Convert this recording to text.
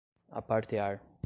apartear